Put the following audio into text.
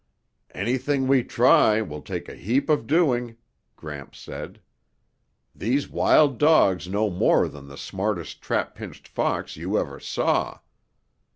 "Anything we try will take a heap of doing," Gramps said. "These wild dogs know more than the smartest trap pinched fox you ever saw.